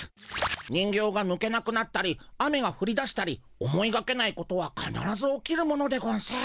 人形がぬけなくなったり雨がふりだしたり思いがけないことはかならず起きるものでゴンス。